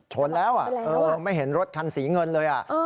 โฉนแล้วอ่ะเออไม่เห็นรถคันสีเงินเลยอ่ะเออ